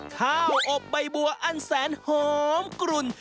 ข้าวอบใบบัวอันแสนหอมกลุ่น